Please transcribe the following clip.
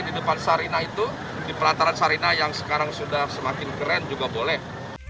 di depan sarina itu di pelataran sarina yang sekarang sudah semakin keren juga boleh